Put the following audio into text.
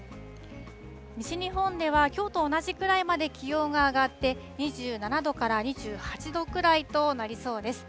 西日本ではきょうと同じくらいまで気温が上がって、２７度から２８度くらいとなりそうです。